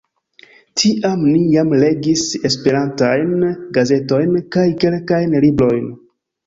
Tiam ni jam legis Esperantajn gazetojn kaj kelkajn librojn.